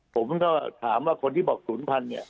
ผมถามว่าคนที่บอกศูนย์พันธุ์เนี่ย